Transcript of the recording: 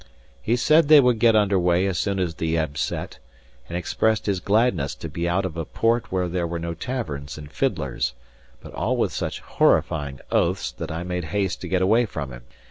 He said they would get under way as soon as the ebb set, and expressed his gladness to be out of a port where there were no taverns and fiddlers; but all with such horrifying oaths, that I made haste to get away from him.